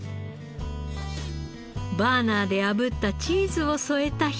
バーナーで炙ったチーズを添えたひと品。